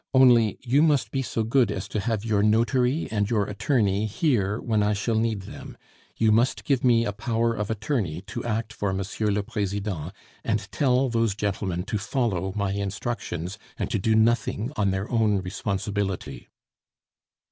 Only, you must be so good as to have your notary and your attorney here when I shall need them; you must give me a power of attorney to act for M. le President, and tell those gentlemen to follow my instructions, and to do nothing on their own responsibility."